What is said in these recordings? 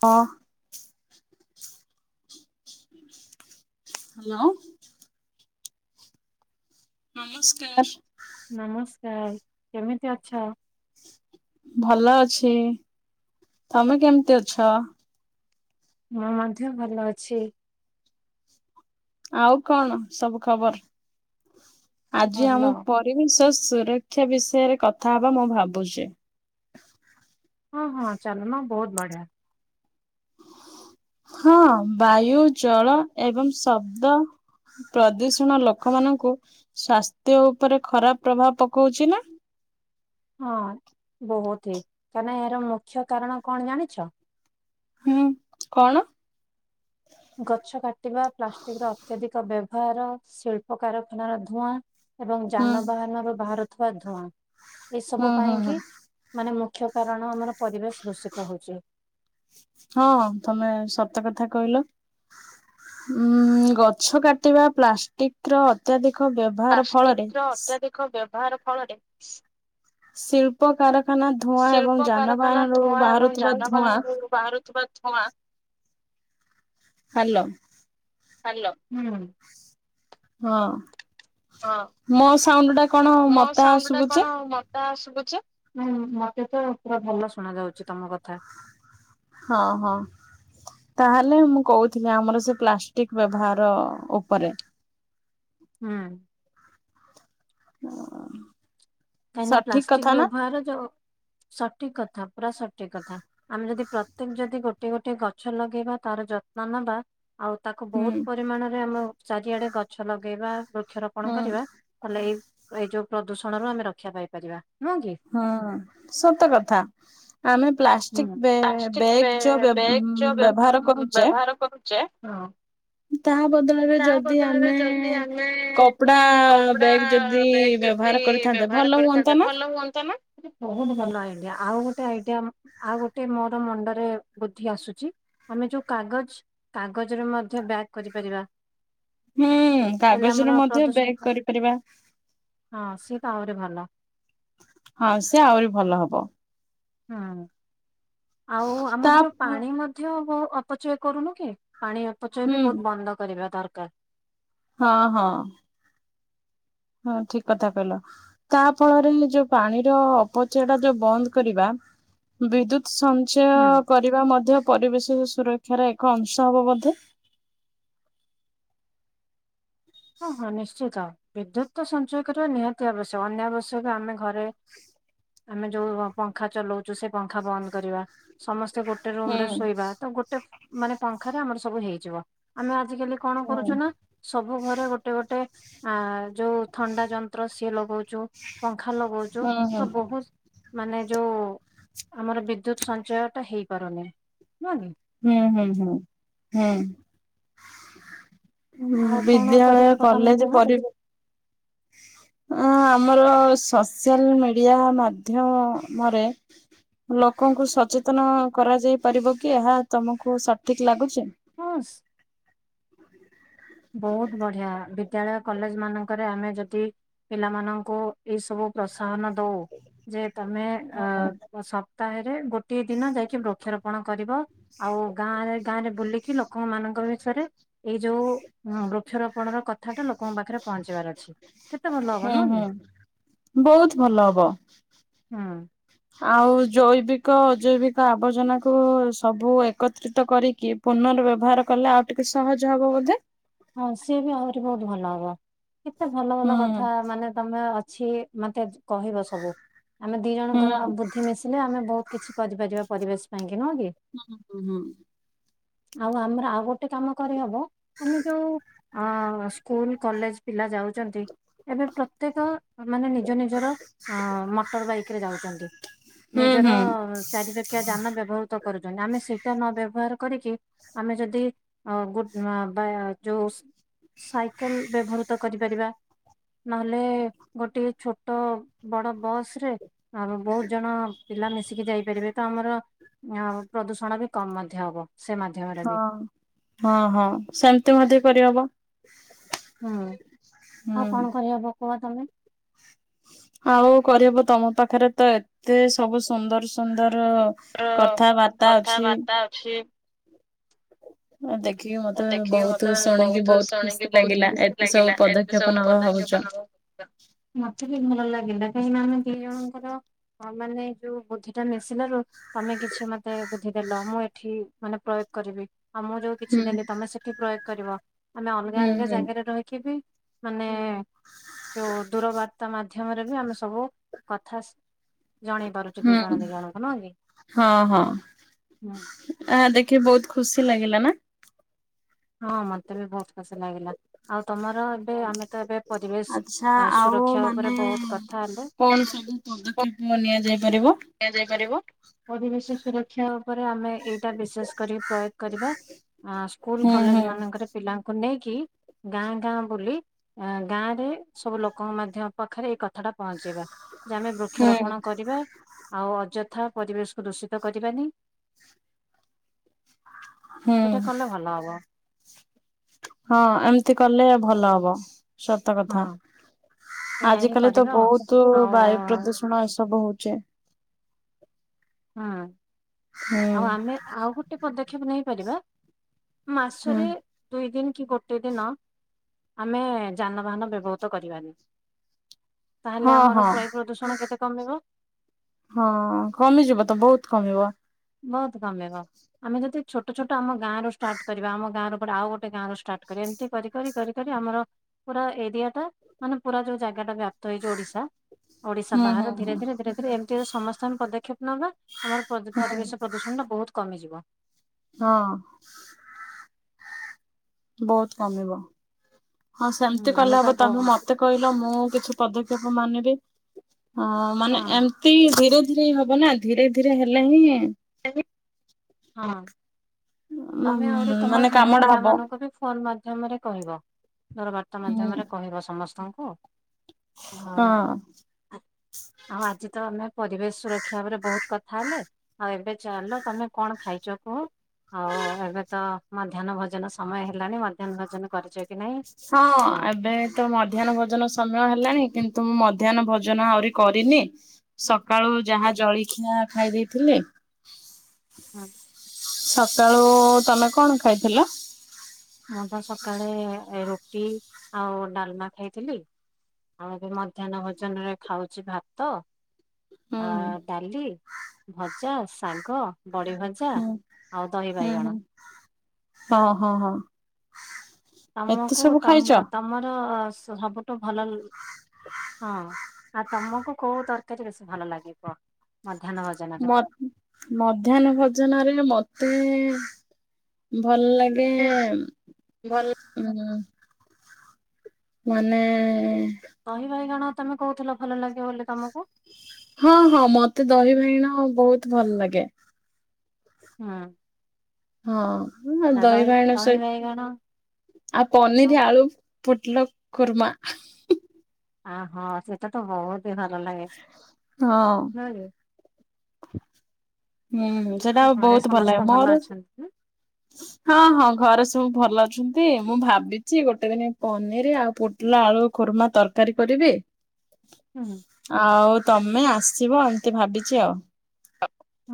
ହଁ ହ୍ୟାଲୋ। ନମସ୍କାର। ନମସ୍କାର କେମିତି ଅଛ? ଭଲ ଅଛି। ତମେ କେମିତି ଅଛ? ମୁଁ ମଧ୍ୟ ଭଲ ଅଛି। ଆଉ କଣ ସବୁ ଖବର? ଆଜି ଭଲ ଆମ ପରିବେଶ ସୁର କ୍ଷା ବିଷୟରେ କଥା ହବା ମୁଁ ଭାବୁଛି। ହଁ ହଁ ଚାଲୁନ ବହୁତ ବଢିଆ। ହଁ ବାୟୁ ଜଳ ଏବଂ ଶବ୍ଦ ପ୍ରଦୂଷଣ ଲୋକମାନଙ୍କୁ ସ୍ଵାସ୍ଥ୍ୟ ଉପରେ ଖରାପ ପ୍ରଭାବ ପକଉଛି ନା? [inaudible] ହଁ ବହୁତିିହି କାହିଁ ନା ଏହାର ମୁଖ୍ୟ କାରଣ କଣ ଜାଣିଛ? ହୁଁ କଣ? ଗଛ କାଟିବା ପ୍ଲାଷ୍ଟିକ ର ଅତ୍ୟଧିକ ବ୍ୟବହାର ଶିଳ୍ପ କାରଖାନାର ଧୂଆଁ ଏବଂ ହୁଁ ଯାନବାହାନରୁ ବାହାରୁଥିବା ଧୂଆଁ। ଏସବୁ ହୁଁ ହୁଁ ପାଇଁ ହୁଁ କି ମାନେ ମୁଖ୍ ମୁଖ୍ୟ କାରଣ ଆମର ପରିବେଶ ଦୂଷିତ ହେଉଛି ହଁ ତମେ ସତ କଥା କହିଲ। ଉଁ ଗଛ କାଟିବା ପ୍ଲାଷ୍ଟିକ ର ଅତ୍ୟାଧିକ କ ବ୍ୟବହାର ଫଳରେ ବାହାର ଫଳରେ? ଶିଳ୍ପ କାରଖାନା ଧୂଆଁ ଶିଳ୍ପ ଏବଂ କାରଖାନା ଯାନବାହାନରୁ ଧୂଆଁ ଏବଂ ବାହାରୁଥିବା ଧୂଆଁ ଯାନବାହାନରୁ ବାହାରୁଥିବା ଧୂଆଁ ହଲୋ। ହ୍ୟାଲ ହୁଁ। ହଁ ହଁ ମୋ ସାଉଣ୍ଡ ଟା କଣ ମତେ ଆ ସୁଭୁଛି? ଶୁଭୁଚି ନାଇ ମତେ ତ ପୁରା ଭଲ ଶୁଣା ଯାଉଛି ତମ କଥା। ହଁ ହଁ। ତାହେଲେ ମୁଁ କହୁଥିଲି ଆମର ସେ ପ୍ଲାଷ୍ଟିକ ବ୍ୟବହାର ଉପରେ। ହୁଁ। ହ। କାହିଁକି ନା ପ୍ଲାଷ୍ଟିକ ବ୍ୟବହାର ଯୋଉ ସଠିକ କଥା ପୁରା ସଠିକ କଥା ଆମେ ଯଦି ପ୍ରତ୍ୟେକ ଯଦି ଗୋଟିଏ ଗୋଟିଏ ଗଛ ଲଗେଇବା ତାର ଯତ୍ନ ନେବା ଆଉ ତାକୁ ହୁଁ ବହୁତ ପରିମାଣରେ ଆମ ଚାରିଆଡେ ଗଛ ଲଗେଇବା ବୃକ୍ଷରୋପଣ କରିବା ତାହଲେ ଏଇ ଏଇ ଯୋଉ ପ୍ରଦୂଷଣ ରୁ ଆମେ ରକ୍ଷା ପାଇପାରିବା। ନୁହଁ କି? ହଁ ସତ କଥା ଆମେ ପ ହୁଁ। ପ୍ଲାଷ୍ଟିକ ପ୍ଲାଷ୍ଟିକ ବେ ବ୍ୟାଗ ଯୋ ବ୍ୟାଗ ଯୋଉ ବ୍ୟ ବ୍ୟବହାର କରୁଚେ ବ୍ୟବହାର କରୁଛେ ହଁ। ହୁଁ ତା ବଦଳରେ ତା ଯଦି ବଦଳରେ ଆମେ ଯଦି ଆମେ କପଡ଼ା କପଡା ବ୍ୟାଗ ଯଦି ବ୍ୟାଗ୍ ଯଦି ବ୍ୟବହାର କରିଥାନ୍ତେ ଭଲ ବ୍ୟବହାର ହୁଅନ୍ତା କରିଥାନ୍ତେ ନା? ଭଲ ହୁଅନ୍ତା ନା [unintelligible] ଆଉ ଗୋଟେ ମୋର ମୁଣ୍ଡରେ ବୁଦ୍ଧି ଆସୁଛି, ଆମେ ଯୋଉ କାଗଜ କାଗଜରେ ମଧ୍ୟ କରିପାରିବା। ହୁଁ, ହେଲେ ଆମର କାଗଜରେ ମଧ୍ୟ ପ୍ରଦୂଷଣ ବେକ୍ କରିପାରିବା। ହଁ ସିଏ ଆହୁରି ଭଲ। ହଁ ସେ ଆହୁରି ଭଲ ହବ। ହଁ ଆଉ ତା ଆମର ଯୋଉ ପାଣି ମଧ୍ୟ ଅପଚୟ କରୁନୁ କି? ପାଣି ଅପଚୟ ହୁଁ ବି ବହୁତ ବନ୍ଦ କରିବା ଦରକାର। ହଁ ହଁ ହଁ ଠିକ କଥା କହିଲ- ତା ଫଳରେ ଯୋଉ ପାଣିର ଅପଚୟ ଟା ଯୋଉ ବନ୍ଦ କରିବା ବିଦ୍ୟୁତ ହୁଁ। ସଞ୍ଚୟ କରିବା ମଧ୍ୟ ପରିବେଶ ସୁରକ୍ଷାର ଏକ ଅଂଶ ହବ ବୋଧେ। ହଁ ହଁ ନିଶ୍ଚିତ ବିଦ୍ୟୁତ ସଞ୍ଚୟ କରିବା ନିହାତି ଆବଶ୍ୟକ ଅନ୍ୟ ଆବଶ୍ୟକ ଆମେ ଘରେ ଆମେ ଯୋଉ ପଙ୍ଖା ଚଲଉଛୁ, ସେ ପଙ୍ଖା ବନ୍ଦ କରିବା। ସମସ୍ତେ ଗୋଟେ ରୁମ ହୁଁ ରେ ଶୋଇବା ତ, ଗୋଟେ ମାନେ ପଙ୍ଖାରେ ଆମର ସବୁ ହେଇଯିବ ଆମେ ଆଜି କାଲି କଣ ହୁଁ କରୁଛୁ ନା ସବୁ ଘରେ ଗୋଟେ ଗୋଟେ ଆ ଯୋଉ ଥଣ୍ଡା ଯନ୍ତ୍ର ସିଏ ଲଗଉଛ ଜଉ ପଙ୍ଖା ଲଗଉଛୁ ହୁଁ ତ ହୁଁ ବହୁତ ମାନେ ଯୋଉ ଆମର ବିଦ୍ୟୁତ ସଞ୍ଚୟ ଟା ହେଇପାରୁନି ନୁହ କି? ହୁଁ ହୁଁ ହୁଁ ହୁଁ ଆଉ ହୁଁ କଣ ବିଦ୍ୟାଳୟ କରିହବ ତମେ କଲେଜ କୁହ ପରିବ ହଁ ଆମର ସୋସିଆଲ ମିଡିଆ ମାଧ୍ୟରେ ଲୋକଙ୍କୁ ସଚେତନ କରାଯାଇ ପାରିବ କି ଏହା ତମକୁ ସଠିକ ଲାଗୁଛି? ହସ୍। ବହୁତ ବଢିଆ, ବିଦ୍ୟାଳୟ କଲେଜ ମାନଙ୍କରେ ଆମେ ଯଦି ପିଲାମାନଙ୍କୁ ଏଇ ସବୁ ପ୍ରସାହନ ଦଉ ଯେ ତମେ ହଁ ଅ ସପ୍ତାହରେ ଗୋ ଦି ଦିନ ଯାଇକି ବୃକ୍ଷରୋପଣ କରିବ ଆଉ ଗାଁ ଗାଁରେ ବୁଲିକି ଲୋକମାନଙ୍କ ବିଷୟରେ ଏଇ ଯୋଉ ବୃକ୍ଷରୋପଣ ର କଥା ଟା ଲୋକଙ୍କ ପାଖରେ ପହଞ୍ଚେଇବାର ଅଛି। କେତେ ଭଲ ହବ ହୁଁ ନୁହଁ କି? ହୁଁ ବହୁତ୍ ଭଲ ହବ, ହୁଁ। ଆଉ ଜୈବିକ ଅଜୈବିକ ଆବର୍ଜନା କୁ ସବୁ ଏକତ୍ରିତ କରିକି ପୂର୍ନବ୍ୟବହାର କଲେ ଆଉ ଟିକେ ସହଜ ହବ ବୋଧେ। ହଁ ସିଏ ବି ଆହୁରି ବହୁତ୍ ଭଲ ହବ କେତେ ଭଲ ହୁଁ ଭଲ କଥା ମାନେ ତମେ ଅ ଛି ମତେ କହିବ ସବୁ ଆମେ ଦି ହୁଁ ଜଣଙ୍କର ବୁଦ୍ଧି ମିଶିଲେ ଆମେ ବହୁତ୍ କିଛି କରିପାରିବା ପରିବେଶ୍ ପାଇଁ। ହୁଁ ହୁଁ ହୁଁ। ଆଉ ଆମର ଆଉ ଗୋଟେ କାମ କରିହବ, ଆମେ ଯୋଉ ଆ ସ୍କୁଲ କଲେଜ ପିଲା ଯାଉଚନ୍ତି ଏବେ ପ୍ରତ୍ୟେକ ମାନେ ନିଜ ନିଜର ଆ ମଟର ବାଇକରେ ଯାଉଚନ୍ତି। ହୁଁ ନିଜର ହଁ। ଚାରିଚକିଆ ଯାନ ବ୍ୟବହୃତ କରୁଚନ୍ତି ଆମେ ସେ ଟା ନ ବ୍ୟବହାର କରିକି ଆମେ ଯଦି ଅ ଗୋ ଉଁ ଆ ଯୋଉ ସାଇକେଲ୍ ବ୍ୟବହୃତ କରିପାରିବା। ନହେଲେ ଗୋଟିଏ ଛୋଟ ବଡ ବସ୍ ରେ ଆଉ ବହୁତ୍ ଜଣ ପିଲା ମିଶିକି ଯାଇପାରିବେ ତ ଆମର ଆଁଉଁ ପ୍ରଦୂଷଣ ବି କମ୍ ମଧ୍ୟ ହବ। ସେ ମାଧ୍ୟମରେ ହଁ ବି ହଁ ହଁ ସେମିତି ମଧ୍ୟ କରିହବ। ହୁଁ ଆଉ ହୁଁ କଣ କରିହବ କୁହ ତମେ? ଆଉ କରିବୁ, ତମ ପାଖରେ ତ ଏତେ ସବୁ ସୁନ୍ଦର ସୁନ୍ଦର ଅ କଥାବାର୍ତ୍ତା ଅଛି। କଥାବାର୍ତ୍ତା ଅଛି ଦେଖିକି ମତେ ଦେଖିକି ବହୁତ ମତେ ଶୁଣିକି ବହୁତୁ ବହୁତ ଶୁଣିକି ଖୁସି ବହୁତ୍ ଲାଗିଲା ଖୁସି ଏତେ ସବୁ ଲାଗିଲା ଏତେ ପଦକ୍ଷେପ ସବୁ ନବା ଭାବୁଛ। ପଦକ୍ଷେପ [unintelligible] ମତେ ବି ଭଲ ଲାଗିଲା କାହିଁକିନା ଆମେ ଦି ଜଣଙ୍କର ହଁ ମାନେ ଯୋଉ ବୁଦ୍ଧି ଟା ମିଶିଲାରୁ ତମେ କିଛି ମତେ ବୁଦ୍ଧି ଦେଲ ମୁଁ ଏଠି ମାନେ ପ୍ରୟୋ କରିବି ଆମ ଯୋଉ ହୁଁ। କିଛି ଦେଲି ତମେ ସେଠି ପ୍ରୟୋଗ କରିବ ଆମେ ଅଲଗା ହୁଁ ଅଲଗା ହୁଁ ଜାଗାରେ ରହିକି ବି ମାନେ ଯୋଉ ଦୂରବାର୍ତ୍ତା ମାଧ୍ୟମରେ ବି ଆମେ ସବୁ କଥା ଜଣେଇ ପାରୁଚୁ ଦି ଜଣ ହୁଁ ଦି ଜଣଙ୍କୁ ନୁହଁକି। ଆ ଦେଖିବି ବହୁତ୍ ଖୁସି ଲାଗିଲା ନା? ହଁ ମତେ ବି ବହୁତ ଖୁସି ଲାଗିଲା। ଆଉ ତମର ଏବେ ଆମେ ତ ଏବେ ପରିବେଶ୍ ଆଚ୍ଛା ଆଉ ସୁରକ୍ଷା ଉପରେ ବହୁତ୍ କଥା ହେଲେ। କୁ ପଦକ୍ଷେପ ନିଆଯାଏ। ନିଆଯାଇ ପାରିବ, ପରିବେଶ ସୁରକ୍ଷା ଉପରେ ଆମେ ଏଇଟା ବିଶେଷ କରି ପ୍ରୟୋଗ କରିବା ଆ ସ୍କୁଲ ହୁଁ କଲେଜ ହୁଁ ମାନଙ୍କରେ ପିଲାଙ୍କୁ ନେଇକି ଗାଁ ଗାଁ ବୁଲି ଆ ଗାଁ ରେ ସବୁ ଲୋକଙ୍କ ମାଧ୍ୟ ପଖରେ ଏଇ କଥାଟା ପହଞ୍ଚେଇବା। ଯେ ଆମେ ହୁଁ ବୃକ୍ଷରୋପଣ କରିବା। ଆଉ ଅଯଥା ପରିବେଶକୁ ଦୂଷିତ କରିବାନି। ହୁଁ ଏଇଟା କଲେ ଭଲ ହବ। ହଁ ଏମିତି କଲେ ଭଲ ହବ। ସତ ହଁ କଥା ଏଇଆ ହିଁ ଆଜିକାଲି ତ କରିବା ଆଉ। ବହୁତୁ ବାୟୁ ଆଉ ପ୍ରଦୂଷଣ ଏସବୁ ଚେ। ହଁ ହୁଁ ଆଉ ଆମେ ଆଉ ଗୋଟେ ପଦକ୍ଷେପ ନେଇପାରିବା। ହୁଁ ମାସରେ ଦୁଇ ଦିନ୍। କି ଗୋଟେ ଦିନ ଆମେ ଯାନବାହାନ ବ୍ୟବହୁତ କରିବାନି। ତାହେଲେ ହଁ ଆମର ହଁ ବାୟୁ ପ୍ରଦୂଷଣ କେତେ କମିବ? ହଁ କମିଯିବ ତ ବହୁତ୍ କମିବ। ବହୁତ୍ କମିବ ଆମେ ଯଦି ଛୋଟ ଛୋଟ ଆମ ଗାଁରୁ ଷ୍ଟାର୍ଟ କରିବା ଆମ ଗାଁର ପରେ ଆଉ ଗୋଟେ ଗାଁରୁ ଷ୍ଟାର୍ଟ କରି ଏମିତି କରି କରି କରି କରି ଆମର ପୁରା ଏରିଆ ଟା ମାନେ ପୁରା ଯୋଉ ଜାଗାଟାବି ଆ ତ ଏଇ ଯୋଉ ଓଡିଶା ଓଡିଶା ହୁଁ ହୁଁ ବାହାର ଧୀରେ ହୁଁ। ଧୀରେ ଧୀରେ ଧୀରେ ଏମିତି ସମସ୍ତଙ୍କ ପଦକ୍ଷେପ ନବା ଆମର ପ୍ରଦୁ ପରିବେଶ ପ୍ରଦୂଷଣ ଟା ବହୁତ୍ କମିଯିବ। ହଁ। ବହୁତ୍ କମିବ ହଁ ହୁଁ ସେମିତି ଆମେ କଲେ ତ ହବ ତମେ ହଁ ମତେ କହିଲ ମୁଁ କିଛି ପଦ ଶିକ୍ଷ ମାନେ ବି ମାନେ ଏମତି ଧୀରେ ଧିରେ ହବ ନା ଧୀରେ ଧୀରେ ହେଲେ ହିଁ ହଁ। ତମେ ଆହୁରି ମାନେ ତମରସାଙ୍ଗ କାମଟା ପିଲା ହବ ମାନଙ୍କୁ ବି ଫୋନ ମା ଧ୍ୟମ ରେ କହିବ ଧର ବାର୍ତ୍ତା ହୁଁ ମାଧ୍ୟମରେ କହିବ ସମସ୍ତଙ୍କୁ। ଆଉ ହଁ। ଆଉ ଆଜି ତ ଆମେ ପରିବେଶ ସୁରକ୍ଷା ଉପରେ ବହୁତ କଥା ହେଲେ। ଆଉ ଏବେ ଚାଲ ତମେ କଣ ଖାଇଛ କୁହ? ହଉ ହଉ ଏବେ ତ ମଧ୍ୟାହ୍ନ ଭୋଜନ ସମୟ ହେଲାଣି ମଧ୍ୟାହ୍ନ ଭୋଜନ କରିଚ ହଁ ଏବେ ତ ମଧ୍ୟାହ୍ନ ଭୋଜନ ସମୟ ହେଲାଣି କିନ୍ତୁ ମୁଁ ମ ମଧ୍ୟାହ୍ନ ଭୋଜନ ଆହୁରି କରିନି ସକାଳୁ ଯାହା ଜଳଖିଆ ଖାଇ ଦେଇଥିଲେ ହ [inaudible] ହଁ [inaudible] ସକାଳୁ ତମେ କଣ ଖାଇଥିଲ? ମୁଁ ତ ସକାଳେ ରୁଟି ଆଉ ଡାଲମା ଖାଇଥିଲି। ଆଉ ଏବେ ମଧ୍ୟାହ୍ନ ଭୋଜନ ରେ ଖାଉଛି ଭାତ ହୁଁ ଆ ଡାଲି, ଭଜା, ଶାଗ, ବଡ଼ି ଭଜା ହୁଁ ଆଉ ହୁଁ ହୁଁ ଦହିିବାଇଗଣ। ହଁ ହଁ ହଁ। ଏତେ ତମକୁ ସବୁ ତମ ଖାଇଛ? ତମର ସବୁଠୁ ଭ ଲୁ ହଁ। ଆଉ ତମୁକୁ କୋଉ ତରକାରୀ ବେଶୀ ଭଲ ଲାଗିବ? ମଧ ମଧ୍ୟାହ୍ନ ଭୋଜୋନରେ ମ ମତେ ଭଲ ଲାଗେ ଭଲ ଉଁ ମାନେ ଦହି ବାଇଗଣ ତମେ କୋହୁଥୁଲ ଭଲ ଲାଗେ ବୋଲି ତମୁକୁ? ହଁ ହଁ ମତେ ଦହି ବାଇଇଣ ବୋହୁତ ଭଲ ଲାଗେ। ହୁଁ। ହଁ ମୁଁ ତା ଦହି ବାଇଗଣ ଦହି ସହି ବାଇଗଣ ଆଉ ପନିରି ଆଳୁ ପୋଟୋଲୋ କୁର୍ମା। ଆଁ ହଁ ସେଟା ତ ବୋହୁତ ହିଁ ଭଲ ଲାଗେ ହଁ ନା କି। [inaudible] ହୁଁ ସେଟା ଘରେ ବୋହୁତ ଭଲ ଲାଗିବ ସମସ୍ତେ ମୋରୋ ଅଛନ୍ତି ନା? ହଁ ହଁ ଘର ସବୁ ଭଲ ଅଛନ୍ତି ମୁଁ ଭାବିଛି ଗୋଟେ ଦିନି ପନିରି ଆଉ ପୋଟଲୋ ଆଳୁ କୁର୍ମା ତରକାରୀ କରି ବି ହୁଁ ଆଉ ତମେ ଆସିବ ଏମିତି ଭାବିଛି ଆଉ।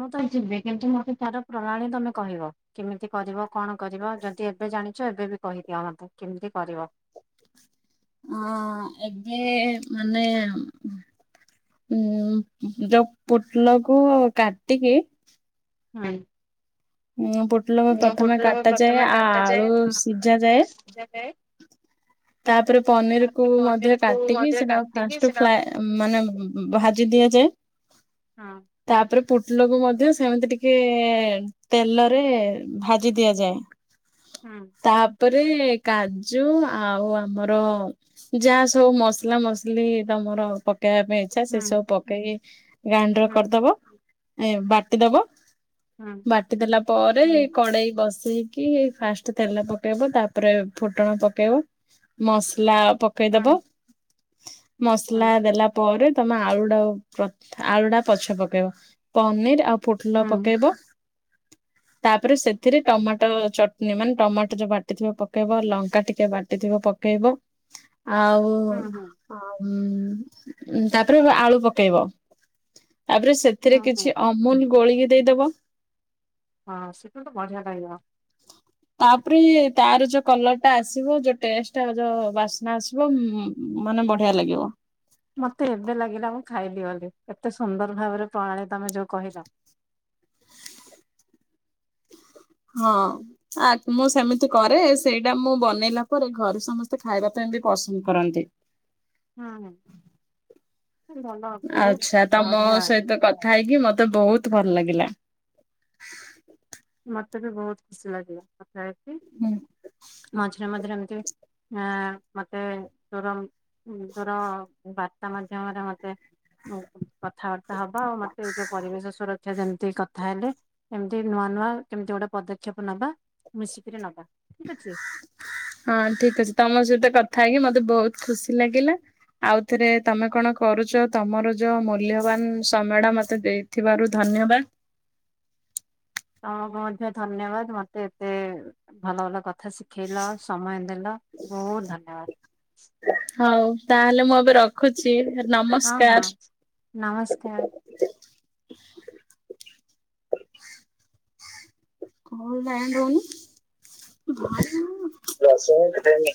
ମୁଁ ତ ଯିବି କିନ୍ତୁ ମୋତେ ତାର ପ୍ରଣାଳୀ ତମେ କହିବ କେମିତି କରିବ? କଣ କରିବ? ଯଦି ଏବେ ଜାଣିଛ ଏବେ ବି କହିଦିଅ ମତେ କେମିତି କରିବ? ଅଁ ଏବେ ମାନେ ଉଁ ଯୋଉ ପୋଟଲୋ କୁ କାଟିକି [unintelligible] ଉଁ ପୋଟଲୋ ପ୍ରଥମେ ପୋଟଳ କାଟାଯାଏ। ପ୍ରଥମେ ଆଳୁ କାଟାଯାଏ ସିଝା ଯାଏ। ମଜା ଥାଏ ତାପରେ ପନିରିକୁ ତାପରେ ମଧ୍ୟ ପନିରକୁ କାଟିକି ମଝିରେ ସେଟା କାଟିକି ଫାଷ୍ଟ ସେଟା ପ୍ଲାଏ ଉଁ ମାନେ ଭାଜିି ଦି ଦିଆଯାଏ ତାପରେ ପୁ ଟୋଲୋକୁ ମଧ୍ୟ ସେମିତି ଟିକେ ତେଲରେ ଭାଜି ଦିଆଯାଏ। ହୁଁ। ପରେ କାଜୁ ଆ ଆଉ ଆମର ଯାହା ସବୁ ମସଲା ମସଲି ତମର ପ ପକେଇବା ପାଇଁ ଇଛା ସେ ସବୁ ପକେଇକି ଗାଇଣ୍ଡର କରିଦବ ଏଁ ବାଟିଦବ। ବାଟି ଦେଲା ପରେ କଡେଇ ବସ ଦେଇକି ଫାଷ୍ଟ ତେଲ ପକେଇବ ତାପରେ ଫୁଟଣ ପକେଇବ ମସଲା ପକେଇଦବ। ମସଲା ଦେଲା ପରେ ତମେ ଆଳୁ ଟାକୁ ପ୍ର ଆଳୁଟା ପଛେ ପକେଇବ ପନିର ଆଉ ପୋଟୋଲ ପକେଇବ। ତାପରେ ସେଥିରେ ଟମାଟ ଚଟନୀ ମାନେ ଟମାଟ ଯୋଉ ବାଟିଥିବ ପକେଇବ ଲଙ୍କା ଟିକେ ବାଟି ଥିବ ପକେଇବ ଆଉ ଆଉ ଉଁ ତାପରେ ଆଳୁ ପକେଇବ। ତାପରେ ସେଥିରେ କିଛି ଅମୁଲୁ ଗୋଳେଇକି ଦେଇଦବ। ହଁ ସେଟା ତ ବଢିଆ ଲାଗିବ। ତାପରେ ତାର ଯୋଉ କଲରଟା ଆସିବ ଯୋ ଟେଷ୍ଟ ଆଉ ଯୋଉ ବାସ୍ନା ଆସିବ ଉଁମ୍ ମାନେ ବଢିଆ ଲାଗିବ। ମତେ ଏବେ ଲାଗିଲାମ। ଖାଇବି ବୋଲି ଏତେ ସୁନ୍ଦର ଭାବରେ ପ୍ରଣାଳୀ ତମେ ଯୋଉ କହିଲ। ହଁ ଆ ମୁଁ ସେମିତି କରେ ସେଇଡ଼ା ମୁଁ ବନେଇଲା ପରେ ଘରେ ସମସ୍ତେ ଖାଇବା ପା ବି ପସନ୍ଦ କରନ୍ତି। ହୁଁ ହୁଁ। ଭଲ ଆଛା ବହୁତ ତମ ବଢିଆ ସହିତ କଥା ହେଇକି ମତେ ବୋହୁ ତୁ ଭଲ ଲାଗିଲା। ମତେ ବି ବୋହୁତୁ ଖୁସି ଲାଗିଲା କଥା ହେଇକି ହୁଁ। ମଝିରେ ମଝିରେ ଏମିତି ଆଁ ମତେ ତୋରୋ ମ୍ ଉଁ ତୋରୋ ବାର୍ତ୍ତା ମାଧ୍ୟମରେ ମତେ କଥାବାର୍ତ୍ତା ହବା। ଆଉ ମତେ ଏ ଯୋଉ ପରିବେଶ ସୁରକ୍ଷା ଯେମିତି କଥା ହେଲେ ଏମିତି ନୂଆ ନୂଆ କେମିତି ଗୋଟେ ପଦକ୍ଷେପ ନବା, ମିଶିକିରି ନବା। ଠିକ ଅଛି। ହଁ ଠିକ ଅଛି ତମ ସହିତ କଥା ହେଇକି ମତେ ବୋହୁତ ଖୁସି ଲାଗିଲା। ଆଉ ଥରେ ତମେ କଣ କରୁଚ, ତମର ଯୋଉ ମୂଲ୍ୟବାନ ସମୟଟା ମତେ ଦେଇଥିବାରୁ ଧନ୍ ଧନ୍ୟବାଦ। ତମକୁ ମଧ୍ୟ ଧନ୍ୟବାଦ ମତେ ଏତେ ଭଲ ଭଲ କ କଥା ଶିଖେଇଲ ଆଉ ସମୟ ଦେଲ ବୋହୁତ ଧନ୍ୟବାଦ। ହୋଉ ତାହେଲେ ମୁଁ ଏବେ ରଖୁଛି। ହଁ ହଁ ନମସ୍କାର। ନମସ୍କାର। କଣ ପାଇଁ କୋଉନୁ ଭାରି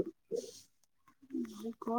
ଦେ କଣ ପା